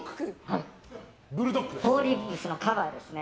フォーリーブスのカバーですね。